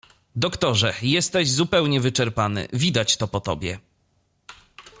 "Doktorze jesteś zupełnie wyczerpany, widać to po tobie."